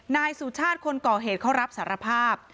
นายสุชาติคนก่อเหตุเขารับสารภาพ